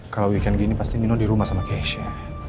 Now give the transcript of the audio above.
kalau weekend gini pasti minum di rumah sama keisha